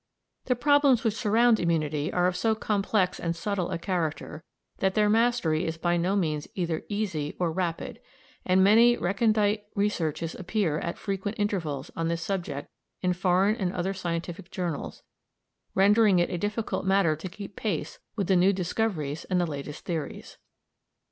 The problems which surround immunity are of so complex and subtle a character that their mastery is by no means either easy or rapid, and many recondite researches appear at frequent intervals on this subject in foreign and other scientific journals, rendering it a difficult matter to keep pace with the new discoveries and the latest theories.